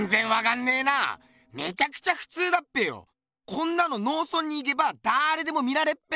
こんなの農村に行けばだれでも見られっぺ！